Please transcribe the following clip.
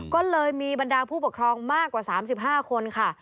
ก็เลยมีบรรดาผู้ปกครองมากกว่า๓๕คนค่ะ